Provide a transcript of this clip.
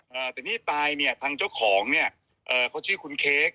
แต่ที่หมาตายเนี่ยทางเจ้าของเนี่ยเขาชื่อคุณเค้ก